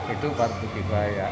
itu waktu kifayah